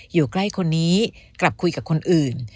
อยู่ใกล้คนนี้กลับคุยกับคนอื่น